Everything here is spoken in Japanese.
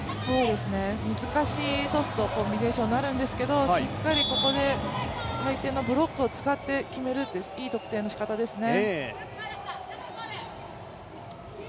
難しいトスとコンビネーションになるんですけどしっかりここで相手のブロックを使って決めるって、いい得点のしかたですね。